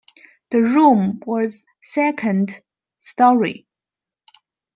The room was second storey.